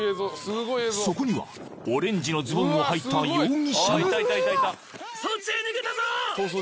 ［そこにはオレンジのズボンをはいた容疑者が］